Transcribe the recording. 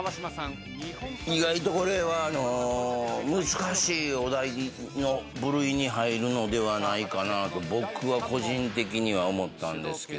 意外とこれは難しいお題の部類に入るのではないかなと僕は個人的には思ったんですけど。